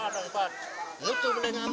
cnn indonesia hero